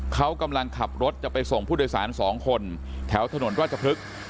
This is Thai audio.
เขากำลังขับรถจะไปส่งผู้โดยสาร๒คนแถวถนนราชพฤกษ์